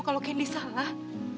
kalau candy salah